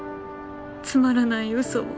つまらない嘘を。